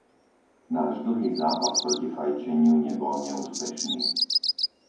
Náš dlhý zápas proti fajčeniu nebol neúspešný.